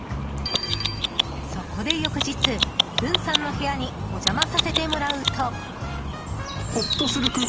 そこで翌日、ぶんさんの部屋にお邪魔させてもらうと。